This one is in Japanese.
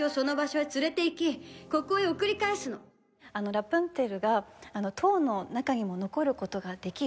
ラプンツェルが「塔の中にも残る事ができる」。